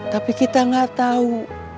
tapi kita gak tahu